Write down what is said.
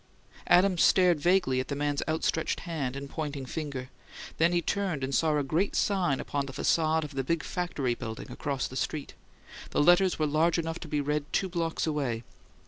Adams stared vaguely at the man's outstretched hand and pointing forefinger, then turned and saw a great sign upon the facade of the big factory building across the street. The letters were large enough to be read two blocks away.